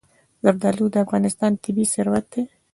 زردالو د افغانستان طبعي ثروت دی.